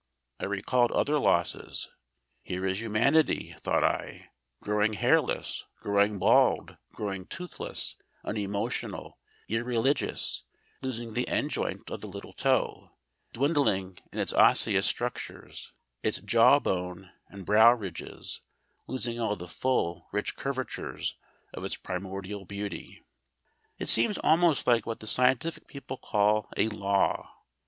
I recalled other losses. Here is Humanity, thought I, growing hairless, growing bald, growing toothless, unemotional, irreligious, losing the end joint of the little toe, dwindling in its osseous structures, its jawbone and brow ridges, losing all the full, rich curvatures of its primordial beauty. It seems almost like what the scientific people call a Law.